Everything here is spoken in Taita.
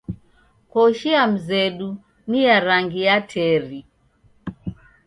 Koshi ya mzedu ni ya rangi ya teri.